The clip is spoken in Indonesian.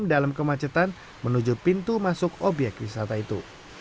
dalam kemacetan menuju pintu masuk obyek wisata itu